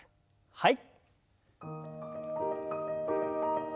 はい。